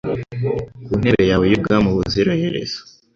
ku ntebe yawe y’ubwami ubuziraherezo